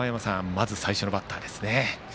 まず最初のバッターですね。